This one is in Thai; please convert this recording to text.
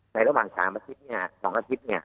ระหว่าง๓อาทิตย์๒อาทิตย์